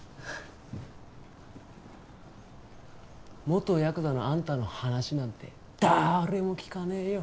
元ヤクザのあんたの話なんて誰も聞かねえよ。